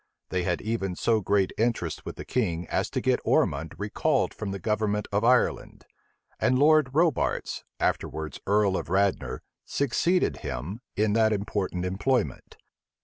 They had even so great interest with the king as to get Ormond recalled from the government of Ireland; and Lord Robarts, afterwards earl of Radnor, succeeded him in that important employment.